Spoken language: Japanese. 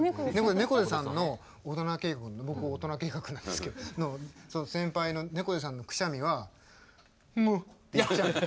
猫背さんの大人計画僕大人計画なんですけど先輩の猫背さんのくしゃみは「んの」ってやっちゃうの。